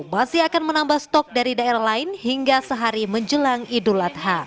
masih akan menambah stok dari daerah lain hingga sehari menjelang idul adha